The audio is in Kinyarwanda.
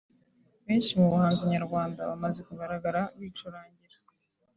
Benshi mu bahanzi nyarwanda bamaze kugaragara bicurangira